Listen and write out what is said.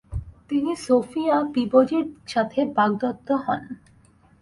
তিনি সোফিয়া পিবডির সাথে বাগদত্ত হন।